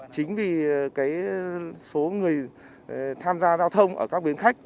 chính vì số người tham gia giao thông ở các bến khách